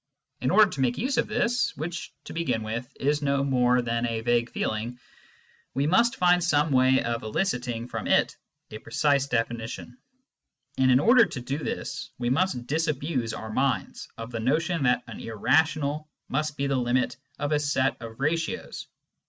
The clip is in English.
In order to make use of this, which to begin with is no more than a vague feeling, we must find some way of eliciting from it a precise definition ; and in order to do this, we must disabuse our minds of the notion that an irrational must be the limit of a set of ratios.